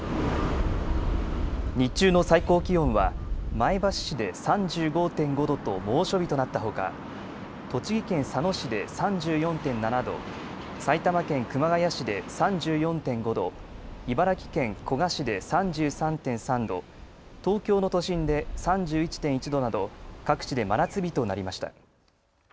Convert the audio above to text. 日中の最高気温は前橋市で３５．５度と猛暑日となったほか栃木県佐野市で３４．７度、埼玉県熊谷市で３４．５度、茨城県古河市で３３．３度、東京の都心で３１．１度など各地で真夏日となりました。